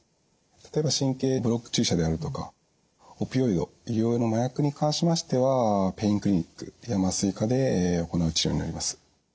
例えば神経ブロック注射であるとかオピオイド医療用の麻薬に関しましてはペインクリニックや麻酔科で行う治療になります。